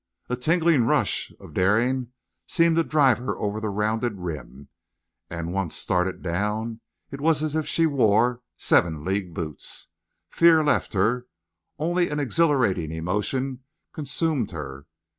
A tingling rush of daring seemed to drive her over the rounded rim, and, once started down, it was as if she wore seven league boots. Fear left her. Only an exhilarating emotion consumed her.